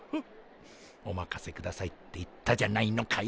おまかせくださいって言ったじゃないのかい？